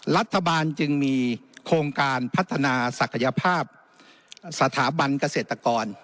รัฐบาลจึงมีโครงการพัฒนาศักยภาพสถาบันเกษตรกร